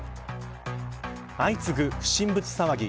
相次ぐ不審物騒ぎ